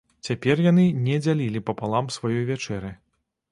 Цяпер яны не дзялілі папалам сваёй вячэры.